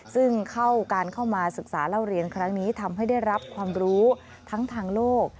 ซึ่งการเข้ามาศึกษาเล่าเรียนครั้งนี้ทำให้ได้รับความรู้ทั้งทางโลก